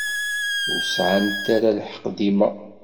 Ur sɛant ara lḥeqq dima.